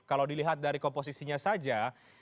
kalau dilihat dari komposisinya saja